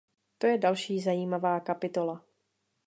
To je další zajímavá kapitola.